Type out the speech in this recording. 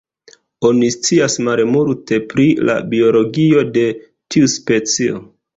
Oni scias malmulte pri la biologio de tiu specio.